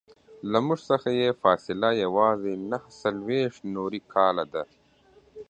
له موږ څخه یې فاصله یوازې نهه څلویښت نوري کاله ده.